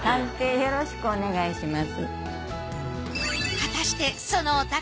よろしくお願いします。